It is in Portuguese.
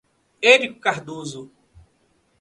Érico Cardoso